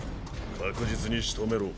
確実にしとめろ。